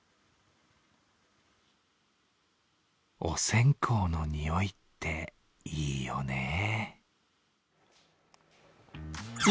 お線香のにおいって、いいよね